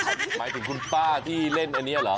หมายถึงคุณป้าที่เล่นอันนี้เหรอ